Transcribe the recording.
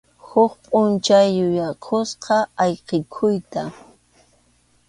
Huk pʼunchaw yuyaykusqa ayqikuyta.